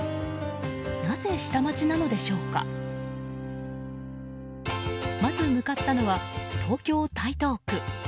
なぜ下町なのでしょうまず向かったのは、東京・台東区。